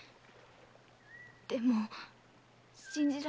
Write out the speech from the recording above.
でも信じられない。